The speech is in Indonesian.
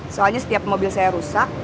soalnya setiap mobil saya rusak